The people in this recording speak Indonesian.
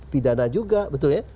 pidana juga betul ya